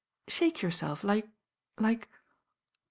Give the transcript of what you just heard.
Shake yourielf like— like " Jit^n.